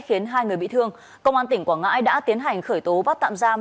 khiến hai người bị thương công an tỉnh quảng ngãi đã tiến hành khởi tố bắt tạm giam